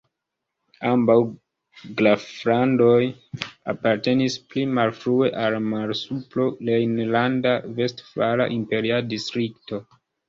Ambaŭ graflandoj apartenis pli malfrue al la Malsupro-Rejnlanda-Vestfala Imperia Distrikto.